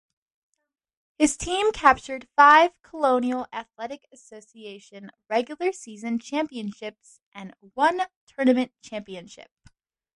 His teams captured five Colonial Athletic Association regular season championships and one tournament championship.